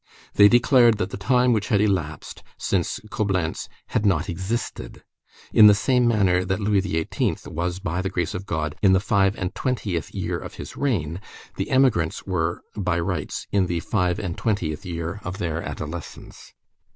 They declared that the time which had elapsed since Coblentz had not existed. In the same manner that Louis XVIII. was by the grace of God, in the five and twentieth year of his reign, the emigrants were, by rights, in the five and twentieth year of their adolescence.